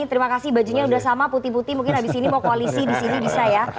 terima kasih bajunya sudah sama putih putih mungkin habis ini mau koalisi di sini bisa ya